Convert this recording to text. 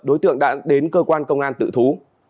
đối tượng đã đến cơ quan công an tự thú